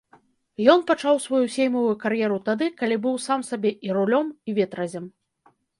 Ён пачаў сваю сеймавую кар'еру тады, калі быў сам сабе і рулём, і ветразем.